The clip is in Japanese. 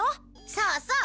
そうそう！